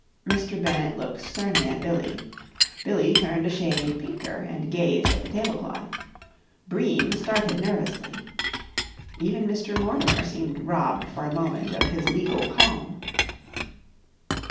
Mr. Bennett looked sternly at Billie; Billie turned a shade pinker and gazed at the tablecloth; Bream started nervously. Even Mr. Mortimer seemed robbed for a moment of his legal calm.